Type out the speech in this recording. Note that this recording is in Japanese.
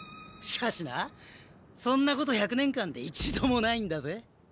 しかしなそんなこと１００年間で一度もないんだぜ。